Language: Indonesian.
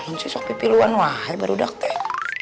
nah mesti sopi piluan wahir baru daktek